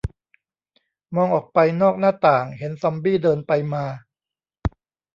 มองออกไปนอกหน้าต่าง เห็นซอมบี้เดินไปมา